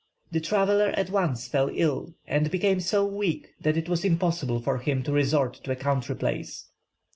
The traveller at once fell ill and became so weak that it was impossible for him to resort to a country place.